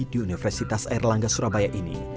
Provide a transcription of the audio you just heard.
di universitas airlangga surabaya ini